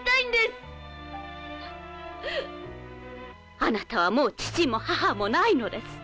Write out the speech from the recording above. あなたはもう父も母もないのです。